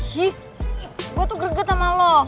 hip gue tuh greget sama lo